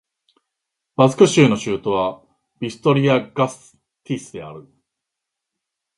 バスク州の州都はビトリア＝ガステイスである